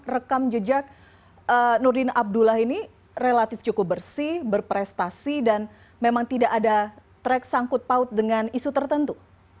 rekam jejak nurdin abdullah ini relatif cukup bersih berprestasi dan memang tidak ada track sangkut paut dengan isu tertentu